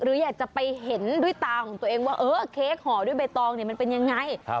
หรืออยากจะไปเห็นด้วยตาของตัวเองว่าเออเค้กห่อด้วยใบตองเนี่ยมันเป็นยังไง